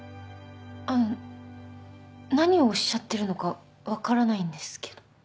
あの何をおっしゃってるのか分からないんですけど。